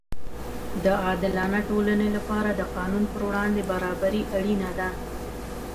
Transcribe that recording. د عادلانه ټولنې لپاره د قانون پر وړاندې برابري اړینه ده.